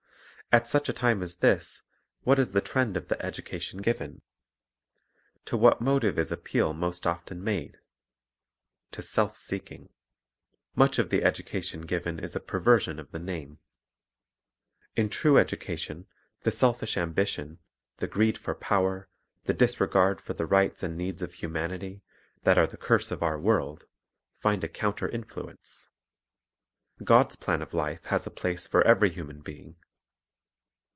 At such a time as this, what is the trend of the education given? To what motive is appeal most often made? — To self seeking. Much of the education given is a perversion of the name. In true education the 1 Prov. 4:7; 15:2. (225) •5 226 Character Building Perils in the Schools Rivalry Pagan Authors selfish ambition, the greed for power, the disregard for the rights and needs of humanity, that are the curse of our world, find a counter influence. God's plan of life has a place for every human being.